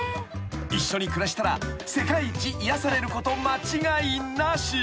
［一緒に暮らしたら世界一癒やされること間違いなし］